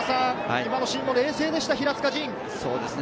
今のシーン冷静でした、平塚仁。